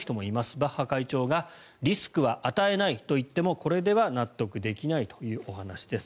バッハ会長がリスクは与えないと言ってもこれでは納得できないというお話です。